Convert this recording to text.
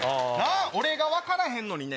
俺が分からへんのにね